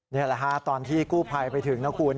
นี่แหละฮะตอนที่กู้ภัยไปถึงนะคุณ